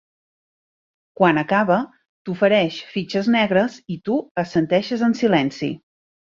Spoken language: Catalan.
Quan acaba, t'ofereix fitxes negres i tu assenteixes en silenci.